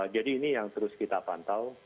jadi ini yang terus kita pantau